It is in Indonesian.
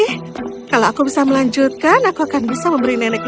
eh kalau aku bisa melanjutkan aku akan bisa memberi nenekku